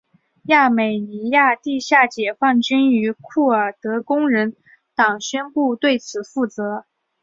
亚美尼亚地下解放军与库尔德工人党宣布对此负责。